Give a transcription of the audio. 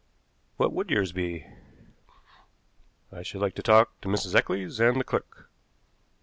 "What would yours be?" "I should like to talk to Mrs. Eccles and the clerk."